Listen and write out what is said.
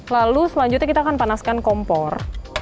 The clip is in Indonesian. lalu selanjutnya kita akan panaskan kompor